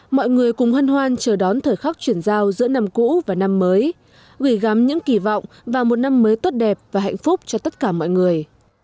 mọi người cùng hân hoan chờ đón thời khắc chuyển giao giữa năm cũ và năm mới gửi gắm những kỳ vọng vào một năm mới tốt đẹp và hạnh phúc cho tất cả mọi người